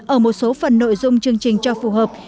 ở một số phần nội dung chương trình cho phù hợp